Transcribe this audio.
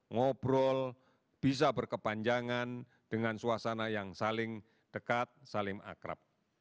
ngobrol bisa berkepanjangan dengan suasana yang saling dekat saling akrab